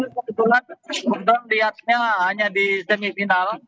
pada kebetulan saya nonton lihatnya hanya di semifinal